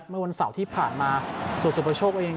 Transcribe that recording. เมื่อวันเมื่อวันเสาที่ผ่านมาส่วนสูประโชคเอง